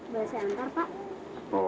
boleh saya hantar pak